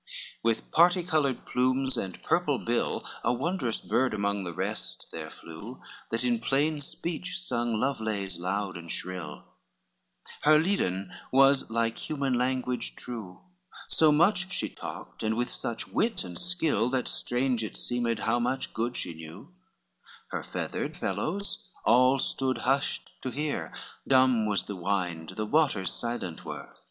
XIII With party colored plumes' and purple bill, A wondrous bird among the rest there flew, That in plain speech sung love lays loud and shrill, Her leden was like human language true; So much she talked, and with such wit and skill, That strange it seemed how much good she knew, Her feathered fellows all stood hush to hear, Dumb was the wind, the waters silent were.